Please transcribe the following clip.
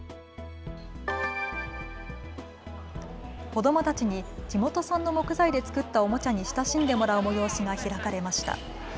子どもたちに地元産の木材で作ったおもちゃに親しんでもらう催しが開かれました。